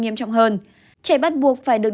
nghiêm trọng hơn trẻ bắt buộc phải được